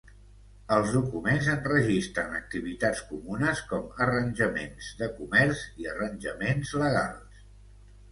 Els documents enregistren activitats comunes com arranjaments de comerç i arranjaments legals.